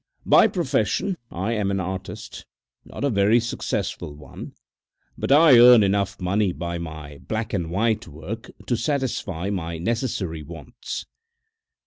By profession I am an artist, not a very successful one, but I earn enough money by my black and white work to satisfy my necessary wants.